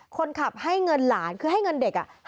คนขับให้เงินหลานคือให้เงินเด็ก